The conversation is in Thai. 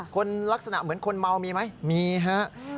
ลักษณะเหมือนคนเมามีไหมมีฮะ